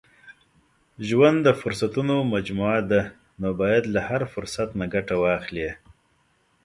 • ژوند د فرصتونو مجموعه ده، نو باید له هر فرصت نه ګټه واخلې.